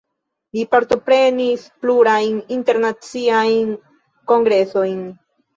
Li partoprenis plurajn internaciajn kongresojn.